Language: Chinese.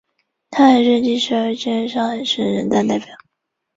她还是第十二届上海市人大代表。